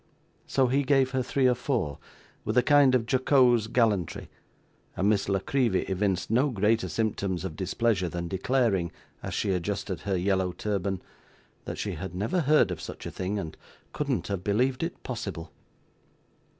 So, he gave her three or four with a kind of jocose gallantry, and Miss La Creevy evinced no greater symptoms of displeasure than declaring, as she adjusted her yellow turban, that she had never heard of such a thing, and couldn't have believed it possible.